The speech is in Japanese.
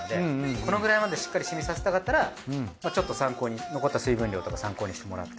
このくらいまでしっかり染みさせたかったらちょっと残った水分量とか参考にしてもらって。